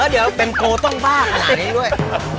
เดี๋ยวเป็นโกต้องบ้าขนาดนี้ด้วย